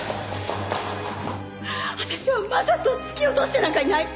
私は将人を突き落としてなんかいない。